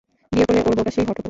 বিয়ে করলে, ওর বউটা সেই হট হতো।